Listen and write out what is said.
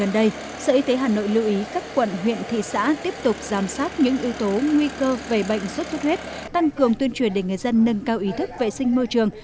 điều ý các quận huyện thị xã tiếp tục giám sát những ưu tố nguy cơ về bệnh suốt thuốc huyết tăng cường tuyên truyền để người dân nâng cao ý thức vệ sinh môi trường